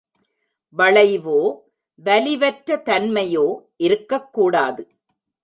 வளைவோ, வலிவற்றதன்மையோ இருக்கக் கூடாது.